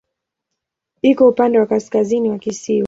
Iko upande wa kaskazini wa kisiwa.